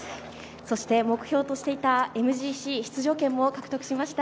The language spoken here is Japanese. そして目標としていたＭＧＣ出場権も獲得しました。